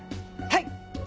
はい。